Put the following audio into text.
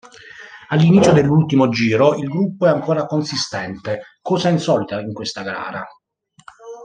All'inizio dell'ultimo giro, il gruppo è ancora consistente, cosa insolita in questa gara.